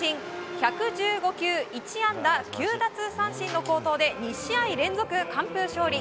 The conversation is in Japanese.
１１５球１安打９奪三振の好投で２試合連続完封勝利。